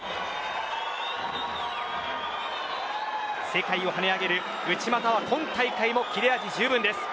世界を跳ね上げる内股は今大会も切れ味じゅうぶんです。